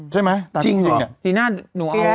ใช่ไหมจริงหรอ